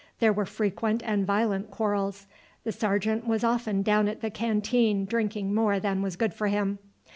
There were frequent and violent quarrels. The sergeant was often down at the canteen drinking more than was good for him.